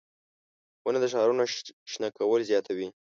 • ونه د ښارونو شنه کول زیاتوي.